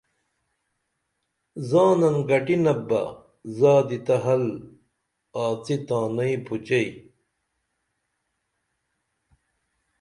زانن گٹینپ بہ زادی تہ حل آڅی تانئی پوچئی